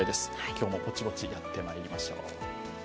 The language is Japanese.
今日もぼちぼちやってまいりましょう。